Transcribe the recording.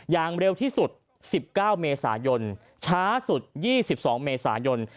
อย่างเร็วที่สุด๑๙เมษายนช้าสุด๒๒เมษายน